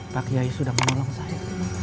pak yai sudah mengolong saya